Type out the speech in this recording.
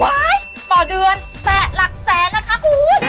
ว้ายต่อเดือนแสลากแสนนะคะ